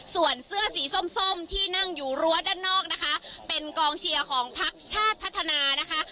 ส่วนเสื้อสีส้มส้มที่นั่งอยู่รั้วด้านนอกนะคะเป็นกองเชียร์ของพักชาติพัฒนานะคะ